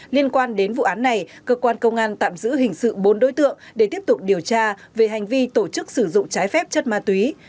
liên quan đến vụ án này cơ quan công an tạm giữ hình sự bốn đối tượng để tiếp tục điều tra về hành vi tổ chức sử dụng trái phép chất ma túy